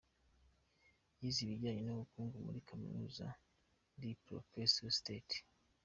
Yize ibijyanye n’ubukungu muri kaminuza Dnipropetrovsk State.